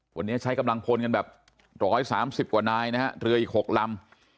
วันนี้ใช้กำลังพลกันแบบ๑๓๐กว่านายนะฮะเรืออีก๖ลำ